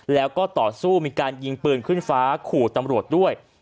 แล้วก็ต่อสู้มีการยิงปืนขึ้นฟ้าขู่ตำรวจด้วย